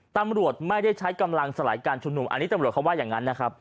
ตำรวจไม่ได้ใช้กำลังสลายการชุมนุมอันนี้ตำรวจเขาว่าอย่างนั้นนะครับ